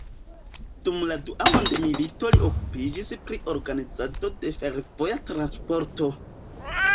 Dum la Dua mondmilito li okupiĝis pri organizado de fervoja transporto.